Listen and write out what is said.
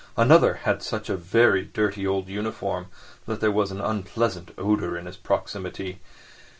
Another had such a very dirty old uniform that there was an unpleasant odour in his proximity.